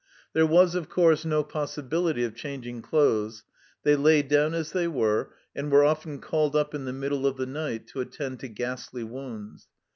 There was, of course, no possibility of changing clothes ; they lay down as they were, and were often called up in the middle of the night to attend to ghastly wounds.